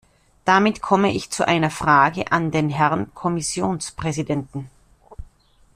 Damit komme ich zu einer Frage an den Herrn Kommissionspräsidenten.